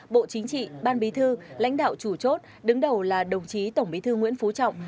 bộ chính trị ban bí thư lãnh đạo chủ chốt đứng đầu là đồng chí tổng bí thư nguyễn phú trọng